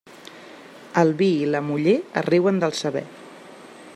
El vi i la muller es riuen del saber.